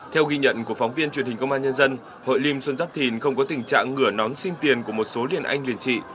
theo ghi nhận của phóng viên truyền hình công an nhân dân hội liêm xuân giáp thìn không có tình trạng ngửa nón xin tiền của một số liền anh liền trị